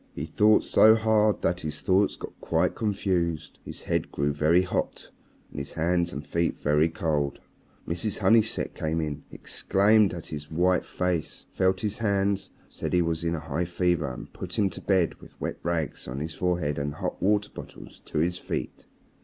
He thought so hard that his thoughts got quite confused. His head grew very hot, and his hands and feet very cold. Mrs. Honeysett came in, exclaimed at his white face, felt his hands, said he was in a high fever, and put him to bed with wet rags on his forehead and hot water bottles to his feet.